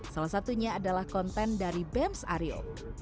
salah satunya adalah konten dari bems aryo